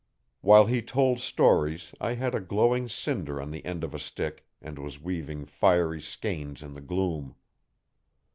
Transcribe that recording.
While he told stories I had a glowing cinder on the end of a stick and was weaving fiery skeins in the gloom.